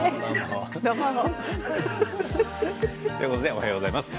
おはようございます。